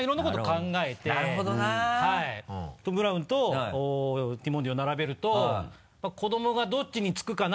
トム・ブラウンとティモンディを並べると子どもがどっちに付くかな？